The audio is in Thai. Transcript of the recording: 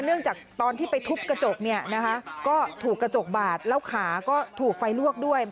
เรื่องจากตอนที่ไปทุบกระจกเนี่ยนะคะก็ถูกกระจกบาดแล้วขาก็ถูกไฟลวกด้วย